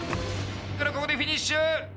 ここでフィニッシュ！